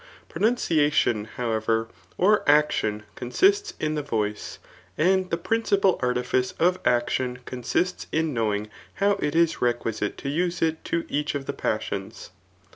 Pronundadon, however, or acdon, consists m the voice, [and the principal ardfice of ikdon consists in knowiiDg] how it is requisite to use it in each of die passions.